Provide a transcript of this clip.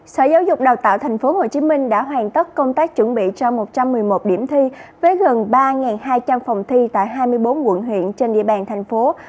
sở giáo dục đào tạo tp hcm đã hoàn tất công tác chuẩn bị cho một trăm một mươi một điểm thi với gần ba hai trăm linh phòng thi tại hai mươi bốn quận huyện trên địa bàn thành phố